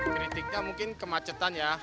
kritiknya mungkin kemacetan ya